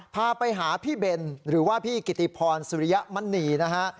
พาไปหาพี่เบนหรือว่าพี่กิติพรสุริยมณีนะฮะ